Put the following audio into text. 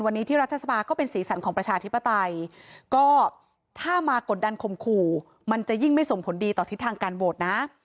วันนี้ที่รัฐสภาก็เป็นสีสันของประชาธิปไตยก็ถ้ามากดดันคมขู่มันจะยิ่งไม่ส่งผลดีต่อทิศทางการโหวตนะ